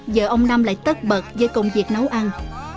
vợ ông năm lại tất bật với công việc nấu ăn